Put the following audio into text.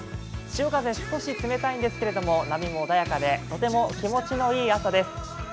潮風、少し冷たいんですけれども、波も穏やかでとても気持ちのいい朝です。